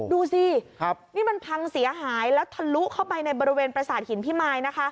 ดูสินี่มันพังเสียหายแล้วทะลุเข้าไปในบริเวณประสาทหินพิมายนะคะ